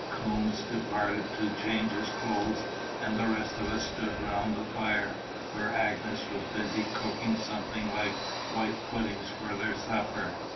Coombes departed to change his clothes, and the rest of us stood round the fire, where Agnes was busy cooking something like white puddings for their supper.